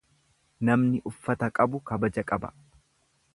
Namni uffata qabu kabaja qaba.